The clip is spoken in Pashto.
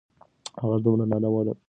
غږ دومره نرم و لکه د پاڼو شرنګ.